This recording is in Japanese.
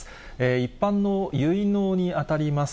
一般の結納に当たります